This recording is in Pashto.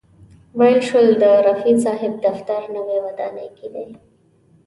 ویل شول د رفیع صاحب دفتر نوې ودانۍ کې دی.